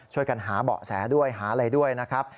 ช่วยกันหาเบาะแสด้วยหาอะไรด้วยนะครับ